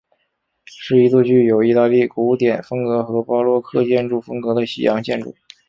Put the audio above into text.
是一座具有意大利古典风格和巴洛克建筑风格的西洋建筑。